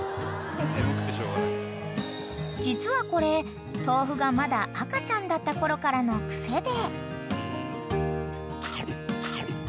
［実はこれとうふがまだ赤ちゃんだったころからのクセで］